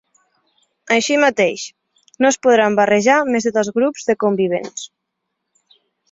Així mateix, no es podran barrejar més de dos grups de convivents.